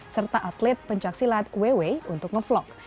serta atlet pencaksilat ww untuk ngevlog